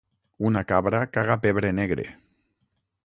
Una cabra caga pebre negre.